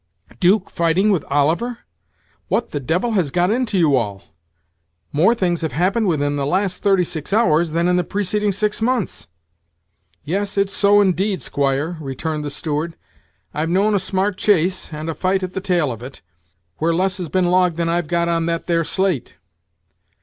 'Duke fighting with Oliver! what the devil has got into you all? More things have happened within the last thirty six hours than in the preceding six months." "Yes, it's so indeed, squire," returned the steward, "I've known a smart chase, and a fight at the tail of it, where less has been logged than I've got on that there slate.